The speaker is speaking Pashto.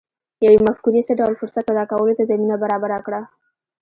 يوې مفکورې څه ډول فرصت پيدا کولو ته زمينه برابره کړه؟